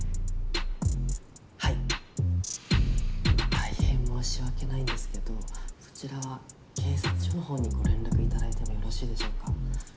大変申し訳ないんですけどそちらは警察署のほうにご連絡頂いてもよろしいでしょうか。